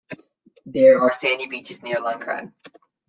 There are sandy beaches near Lankaran.